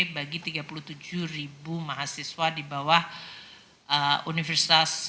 bagi tiga puluh tujuh ribu mahasiswa di bawah universitas